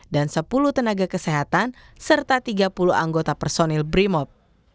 dan sepuluh tenaga kesehatan serta tiga puluh anggota personil brimop